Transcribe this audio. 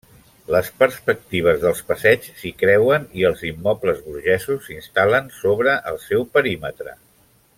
Les perspectives dels passeigs s'hi creuen i els immobles burgesos s'instal·len sobre el seu perímetre.